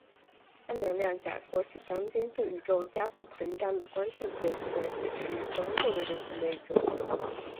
暗能量假说是当今对宇宙加速膨胀的观测结果的解释中最为流行的一种。